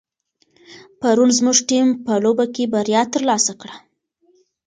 پرون زموږ ټیم په لوبه کې بریا ترلاسه کړه.